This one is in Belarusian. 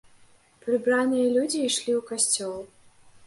Прыбраныя людзі ішлі ў касцёл.